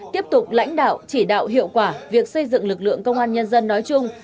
tiếp tục lãnh đạo chỉ đạo hiệu quả việc xây dựng lực lượng công an nhân dân nói chung